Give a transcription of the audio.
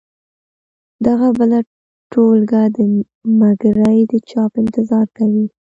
دغه بله ټولګه دمګړۍ د چاپ انتظار کوي.